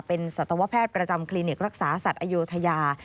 แต่ว่าแพทย์ประจำคลินิกรักษาสัตว์อโยธยา